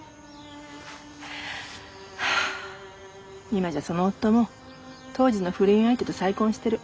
今じゃその夫も当時の不倫相手と再婚してる。